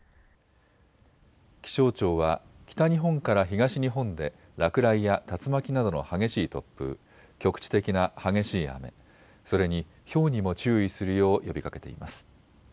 気象庁は北日本から東日本で落雷や竜巻などの激しい突風局地的な激しい雨、それにひょうにも注意するよう呼びかけています。